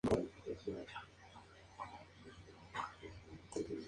Compuso su "Sinfonía núm.